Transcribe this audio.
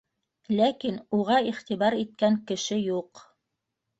Ләкин уға иғтибар иткән кеше юҡ.